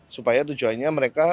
supaya tujuannya mereka pulang